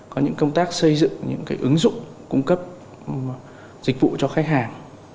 có những công tác xây dựng những ứng dụng cung cấp dịch vụ cho khách hàng